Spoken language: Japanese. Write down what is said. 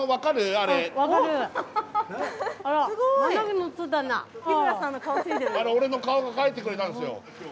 あれ俺の顔が描いてくれたんですよ。